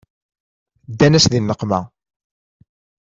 Ddan-as di nneqma.